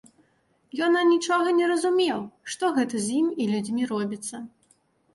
Ён анічога не разумеў, што гэта з ім і з людзьмі робіцца.